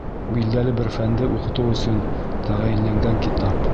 Билдәле бер фәнде уҡытыу өсөн тәғәйенләнгән китап.